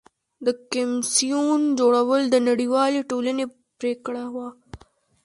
د کمیسیون جوړول د نړیوالې ټولنې پریکړه وه.